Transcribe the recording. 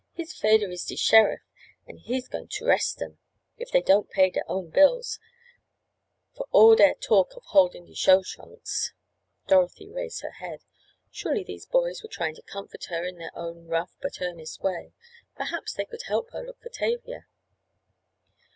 "His fader is de sheriff an' he's goin' t' 'rest 'em, if dey don't pay der own bills, fer all der talk of holdin' de show trunks." Dorothy raised her head. Surely these boys were trying to comfort her in their own rough but earnest way. Perhaps they could help her look for Tavia.